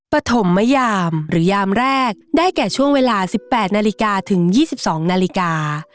ปฐมยามหรือยามแรกได้แก่ช่วงเวลา๑๘นาฬิกาถึง๒๒นาฬิกา